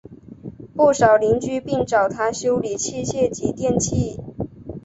不少邻居并找他修理机械及电器。